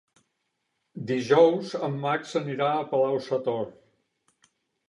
Dijous en Max anirà a Palau-sator.